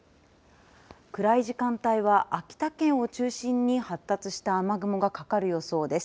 暗い時間帯は秋田県を中心に発達した雨雲がかかる予想です。